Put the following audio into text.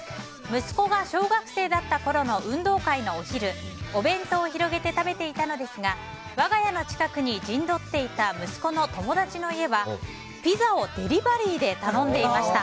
息子が小学生だったころの運動会のお昼お弁当を広げて食べていたのですが我が家の近くに陣取っていた友達の息子の家はピザをデリバリーで頼んでいました。